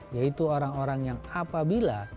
yaitu orang orang yang apabila menerima takaran dari orang lain